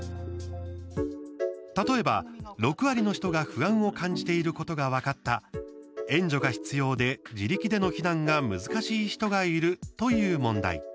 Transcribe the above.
例えば、６割の人が不安を感じていることが分かった援助が必要で自力での避難が難しい人がいるという問題。